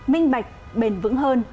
minh bạch bền vững hơn